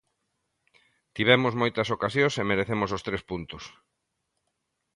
Tivemos moitas ocasións e merecemos os tres puntos.